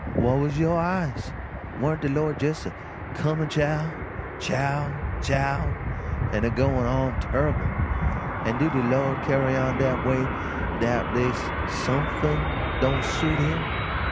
Whah was yo' eyes? Warn't de Lord jes' a cumin' chow! chow! CHOW! an' a goin' on turrible an' do de Lord carry on dat way 'dout dey's sumfin don't suit him?